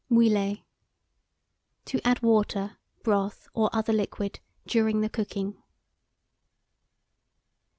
MOUILLER. To add water, broth, or other liquid, during the cooking.